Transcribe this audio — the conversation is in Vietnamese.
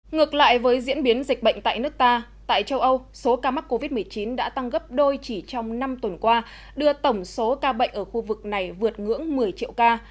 ngược lại với diễn biến dịch bệnh tại nước ta tại châu âu số ca mắc covid một mươi chín đã tăng gấp đôi chỉ trong năm tuần qua đưa tổng số ca bệnh ở khu vực này vượt ngưỡng một mươi triệu ca